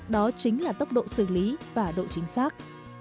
đó chính là tốc độ xử lý và độ chính xác